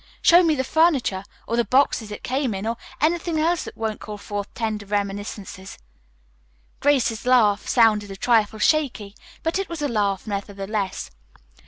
Show me the furniture, or the boxes it came in, or anything else that won't call forth tender reminiscences." Grace's laugh sounded a trifle shaky, but it was a laugh nevertheless.